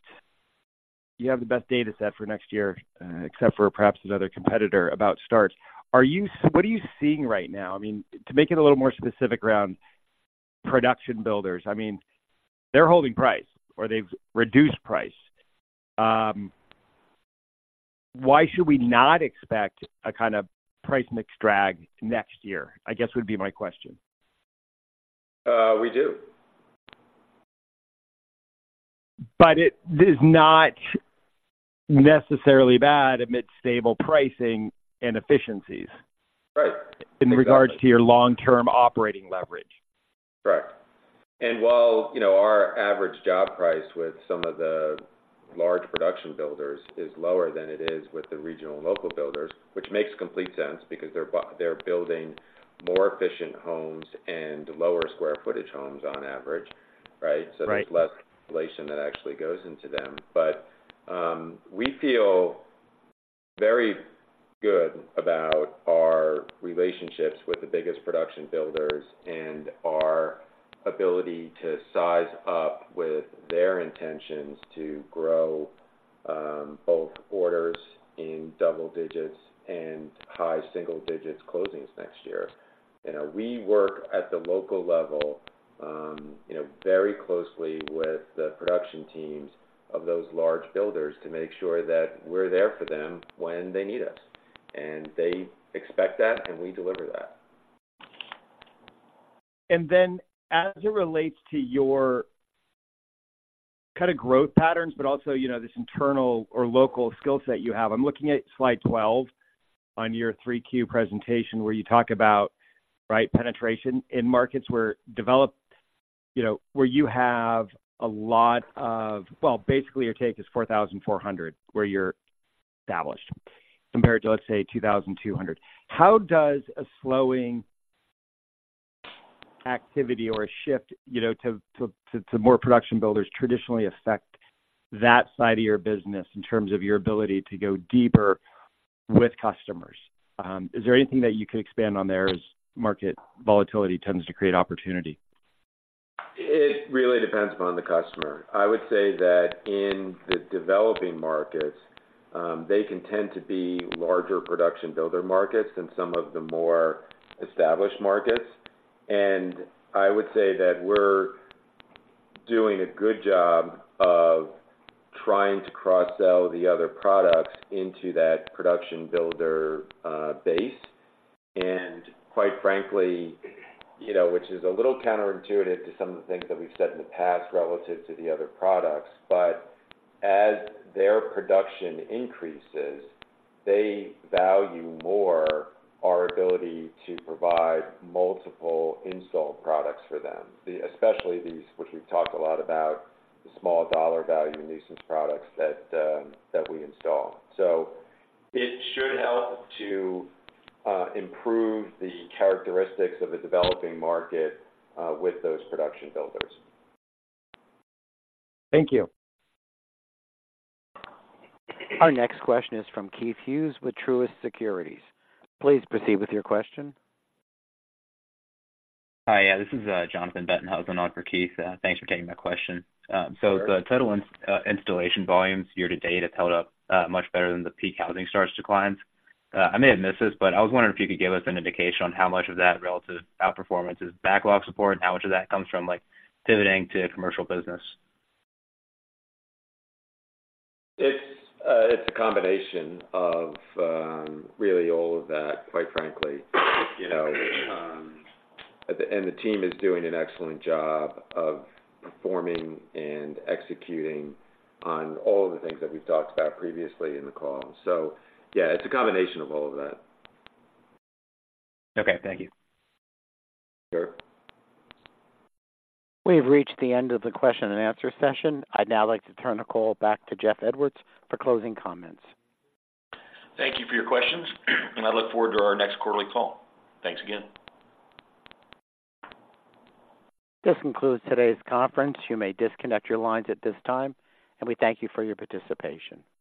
you have the best data set for next year, except for perhaps another competitor about starts. Are you—what are you seeing right now? I mean, to make it a little more specific around production builders, I mean, they're holding price or they've reduced price. Why should we not expect a kind of price mix drag next year? I guess, would be my question. We do. But it is not necessarily bad amid stable pricing and efficiencies- Right. In regards to your long-term operating leverage. Correct. And while, you know, our average job price with some of the large production builders is lower than it is with the regional and local builders, which makes complete sense because they're building more efficient homes and lower square footage homes on average, right? Right. So there's less insulation that actually goes into them. But, we feel very good about our relationships with the biggest production builders and our ability to size up with their intentions to grow, both orders in double digits and high single digits closings next year. You know, we work at the local level, you know, very closely with the production teams of those large builders to make sure that we're there for them when they need us, and they expect that, and we deliver that. And then as it relates to your kind of growth patterns, but also, you know, this internal or local skill set you have. I'm looking at Slide 12 on your 3Q presentation, where you talk about, right, penetration in markets where developed, you know, where you have a lot of... Well, basically, your take is 4,400, where you're established, compared to, let's say, 2,200. How does a slowing activity or a shift, you know, to more production builders traditionally affect that side of your business in terms of your ability to go deeper with customers? Is there anything that you could expand on there as market volatility tends to create opportunity? It really depends upon the customer. I would say that in the developing markets, they can tend to be larger production builder markets than some of the more established markets. And I would say that we're doing a good job of trying to cross-sell the other products into that production builder base. And quite frankly, you know, which is a little counterintuitive to some of the things that we've said in the past relative to the other products. But as their production increases, they value more our ability to provide multiple install products for them, especially these, which we've talked a lot about, the small dollar value nuisance products that we install. So it should help to improve the characteristics of a developing market with those production builders. Thank you. Our next question is from Keith Hughes with Truist Securities. Please proceed with your question. Hi, yeah, this is Jonathan Bettenhausen, on for Keith. Thanks for taking my question. So the total installation volumes year to date have held up much better than the peak housing starts declines. I may have missed this, but I was wondering if you could give us an indication on how much of that relative outperformance is backlog support, and how much of that comes from, like, pivoting to commercial business? It's, it's a combination of, really all of that, quite frankly. You know, and the team is doing an excellent job of performing and executing on all of the things that we've talked about previously in the call. So yeah, it's a combination of all of that. Okay, thank you. Sure. We've reached the end of the question and answer session. I'd now like to turn the call back to Jeff Edwards for closing comments. Thank you for your questions, and I look forward to our next quarterly call. Thanks again. This concludes today's conference. You may disconnect your lines at this time, and we thank you for your participation.